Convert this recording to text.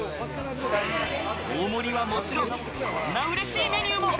大盛りはもちろん、こんな嬉しいメニューも！